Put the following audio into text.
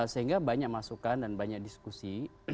sehingga banyak masukan dan banyak diskusi